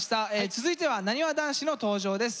続いてはなにわ男子の登場です。